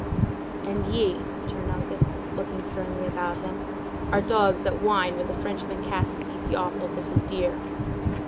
"And ye," returned Uncas, looking sternly around him, "are dogs that whine, when the Frenchman casts ye the offals of his deer!"